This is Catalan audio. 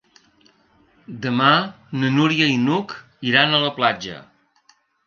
Demà na Núria i n'Hug iran a la platja.